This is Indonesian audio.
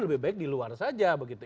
lebih baik di luar saja begitu